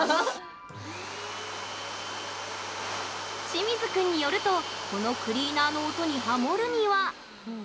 清水くんによるとこのクリーナーの音にハモるには。